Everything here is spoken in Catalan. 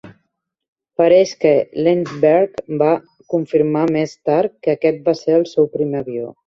Pareix que Lindbergh va confirmar més tard que aquest va ser el seu primer avió.